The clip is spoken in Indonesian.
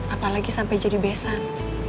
apalagi sampe jadi besan